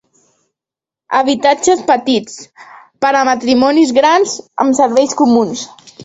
Habitatges petits per a matrimonis grans amb serveis comuns.